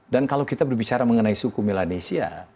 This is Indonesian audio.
dan kalau kita berbicara mengenai suku melanesia